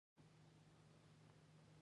پیرودونکی د باور پلوي دی، نه د وعدې.